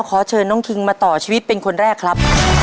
ขอเชิญน้องคิงมาต่อชีวิตเป็นคนแรกครับ